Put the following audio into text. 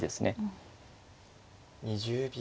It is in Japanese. ２０秒。